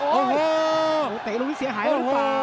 โอ้โหโอ้โหเตะลุ้มเสียหายหรือเปล่า